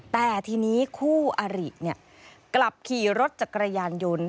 แต่ทีนี้คู่อริกลับขี่รถจักรยานยนต์